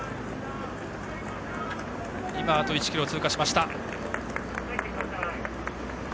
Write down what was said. あと１ｋｍを通過しました。